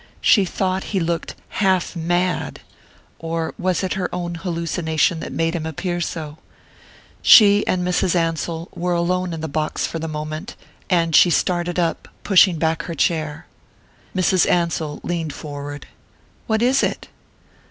She thought he looked half mad or was it her own hallucination that made him appear so? She and Mrs. Ansell were alone in the box for the moment, and she started up, pushing back her chair.... Mrs. Ansell leaned forward. "What is it?"